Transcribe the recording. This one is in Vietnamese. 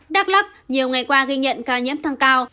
đắk lắk nhiều ngày qua ghi nhận ca nhiễm thăng cao